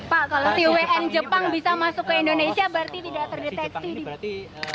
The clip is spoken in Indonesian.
pak kalau si wn jepang bisa masuk ke indonesia berarti tidak terdeteksi di